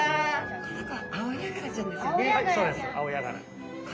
この子アオヤガラちゃんですよね。